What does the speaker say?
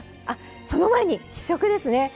あっその前に試食ですね！